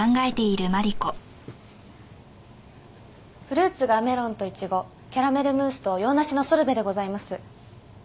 フルーツがメロンとイチゴキャラメルムースと洋梨のソルベでございます。